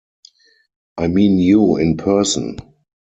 I mean you in person.